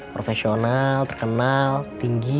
profesional terkenal tinggi